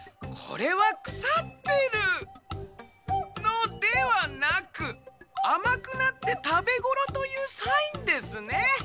これはくさってるのではなくあまくなってたべごろというサインですね」。